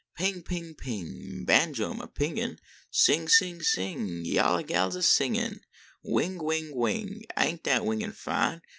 Ting, ping, ping, banjo am a pingin , Sing, sing, sing, yaller gals a singin , Wing, wing, wing, ain t dat wingin fine?